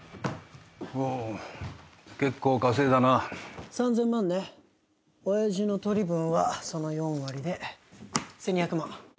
おお結構稼いだな３０００万ね親爺の取り分はその４割で１２００万！